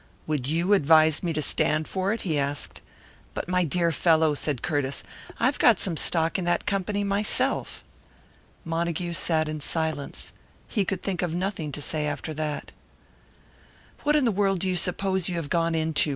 "Would you advise me to stand for it?" he asked. "But, my dear fellow!" said Curtiss. "I've got some stock in that company myself." Montague sat in silence he could think of nothing to say after that. "What in the world do you suppose you have gone into?"